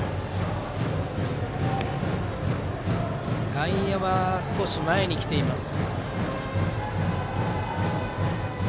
外野は少し前に来ています。